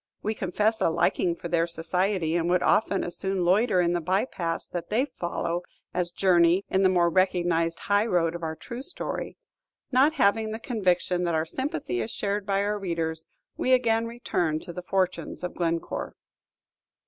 We confess a liking for their society, and would often as soon loiter in the by paths that they follow as journey in the more recognized high road of our true story. Not having the conviction that our sympathy is shared by our readers, we again return to the fortunes of Glencore.